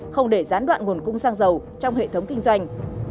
không để gián đoạn nguồn cung xăng dầu trong hệ thống kinh doanh